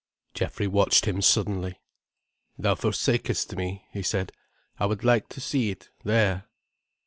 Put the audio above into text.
Geoffrey watched him suddenly. "Thou forsakest me," he said. "I would like to see it, there."